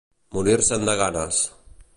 Morir-se'n de ganes.